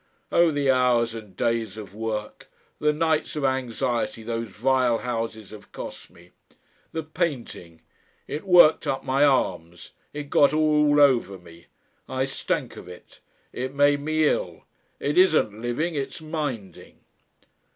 Oh! the hours and days of work, the nights of anxiety those vile houses have cost me! The painting! It worked up my arms; it got all over me. I stank of it. It made me ill. It isn't living it's minding....